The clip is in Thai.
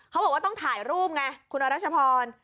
เขาบอกว่าต้องถ่ายรูปไงคุณอรัชพร